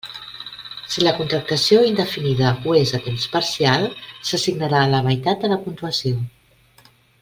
Si la contractació indefinida ho és a temps parcial, s'assignarà la meitat de la puntuació.